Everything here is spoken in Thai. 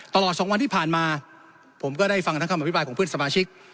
ตลอดสองวันที่ผ่านมาผมก็ได้ฟังทั้งคำอภิปรายของเพื่อนสมาชิก